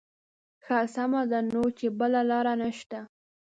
ښه سمه ده نو چې بله لاره نه شته.